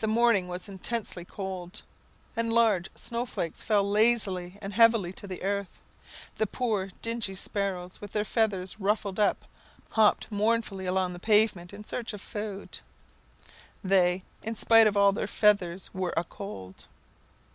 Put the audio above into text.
The morning was intensely cold, and large snow flakes fell lazily and heavily to the earth. The poor dingy sparrows, with their feathers ruffled up, hopped mournfully along the pavement in search of food; they, "In spite of all their feathers, were a cold."